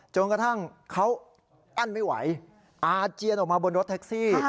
จนกระทั่งเขาอั้นไม่ไหวอาเจียนออกมาบนรถแท็กซี่